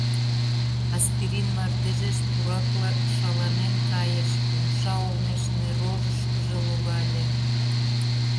Аспирин мардежеш пуракла шаланен кайыш, умша олмеш неррожышкыжо логале.